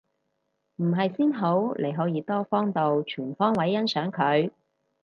唔係先好，你可以多方度全方位欣賞佢